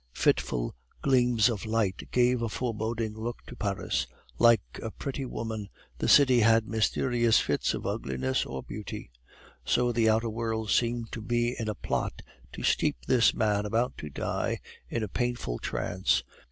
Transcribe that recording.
Fitful gleams of light gave a foreboding look to Paris; like a pretty woman, the city has mysterious fits of ugliness or beauty. So the outer world seemed to be in a plot to steep this man about to die in a painful trance.